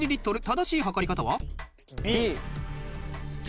正しい測り方は？